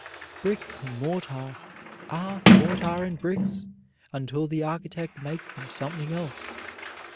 Bricks and mortar are mortar and bricks until the architect makes them something else.